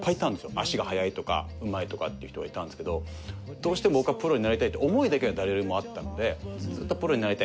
足が速いとかうまいとかっていう人がいたんですけどどうしても僕はプロになりたいって思いだけは誰よりもあったのでずっとプロになりたい